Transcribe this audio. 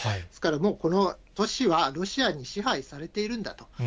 ですからもう、この都市はロシアに支配されているんだと。